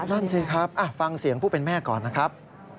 นั่นสิครับฟังเสียงผู้เป็นแม่ก่อนนะครับ